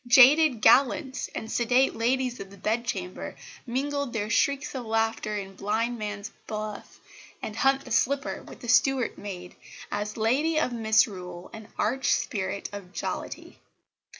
Jaded gallants and sedate Ladies of the Bedchamber mingled their shrieks of laughter in blind man's buff and hunt the slipper with the Stuart maid as Lady of Misrule and arch spirit of jollity.